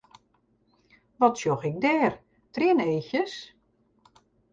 Wat sjoch ik dêr, trieneachjes?